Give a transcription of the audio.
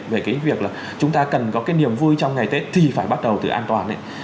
về cái việc là chúng ta cần có cái niềm vui trong ngày tết thì phải bắt đầu từ an toàn